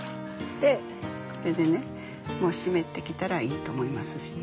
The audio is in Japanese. これでねもう湿ってきたらいいと思いますしね。